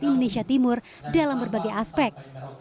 indonesia timur dalam berbagai aspek